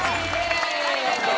ありがとう！